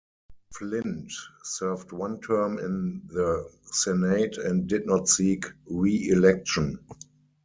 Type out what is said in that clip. Flint served one term in the Senate and did not seek reelection.